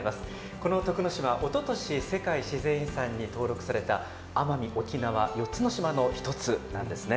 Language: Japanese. この徳之島は、おととし世界自然遺産に登録された奄美・沖縄４つの島の１つなんです。